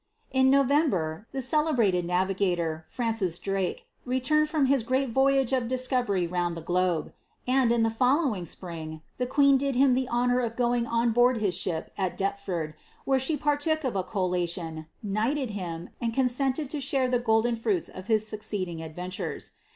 In November, the celebrated navigator, Francis Drake, returned fron his great voyage of discovery round (he globe; and, in the following spring, ihe queen did him the honour of going on board his ship ii Deplford, where she pariook of a collation, knighted him, and consented to share the golden fruits of his succeeding; adventures.